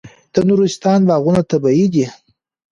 د نورستان باغونه طبیعي دي.